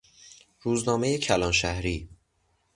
روزنامهی کلانشهری